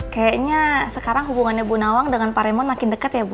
kayaknya sekarang hubungannya bu nawang dengan pak remond makin dekat ya bu